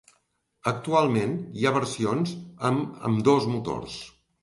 Actualment hi ha versions amb ambdós motors.